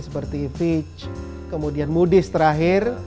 seperti fitch kemudian moody s terakhir